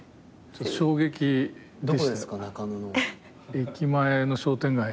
駅前の商店街。